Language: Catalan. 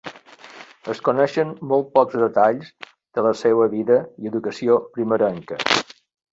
Es coneixen molt pocs detalls de la seua vida i educació primerenca.